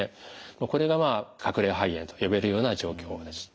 これが隠れ肺炎と呼べるような状況です。